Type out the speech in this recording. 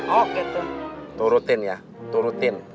oke tuh turutin ya turutin